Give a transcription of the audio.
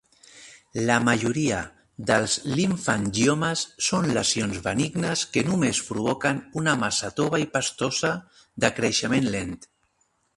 La majoria dels limfangiomes són lesions benignes que només provoquen una massa tova i "pastosa" de creixement lent.